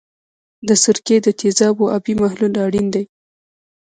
د سرکې د تیزابو آبي محلول اړین دی.